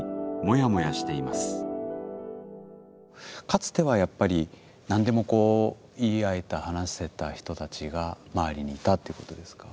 かつてはやっぱり何でも言い合えた話せた人たちが周りにいたってことですか？